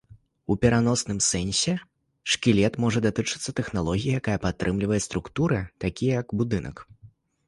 У пераносным сэнсе, шкілет можа датычыцца тэхналогіі, якая падтрымлівае структуры, такія як будынак.